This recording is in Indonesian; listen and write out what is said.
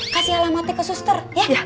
kasih alamatnya ke suster